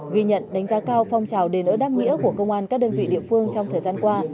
ghi nhận đánh giá cao phong trào đền ơn đáp nghĩa của công an các đơn vị địa phương trong thời gian qua